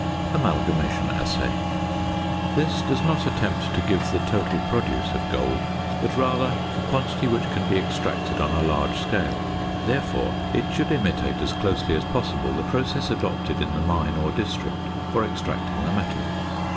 ~AMALGAMATION ASSAY.~ This does not attempt to give the total produce of gold, but rather the quantity which can be extracted on a large scale; therefore it should imitate as closely as possible the process adopted in the mine or district for extracting the metal.